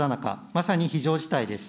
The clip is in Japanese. まさに非常事態です。